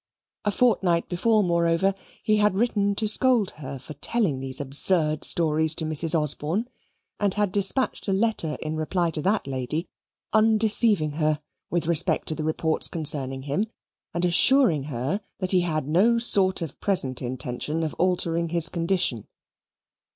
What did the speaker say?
A fortnight before, moreover, he had written to scold her for telling those absurd stories to Mrs. Osborne, and had despatched a letter in reply to that lady, undeceiving her with respect to the reports concerning him and assuring her that "he had no sort of present intention of altering his condition."